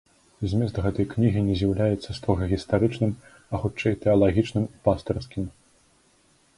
Змест гэтай кнігі не з'яўляецца строга гістарычным, а хутчэй тэалагічным і пастырскім.